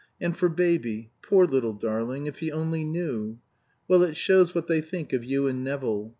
And for Baby poor little darling, if he only knew! Well, it shows what they think of you and Nevill.